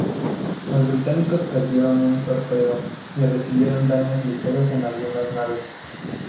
Los británicos perdieron un torpedero y recibieron daños ligeros en algunas naves.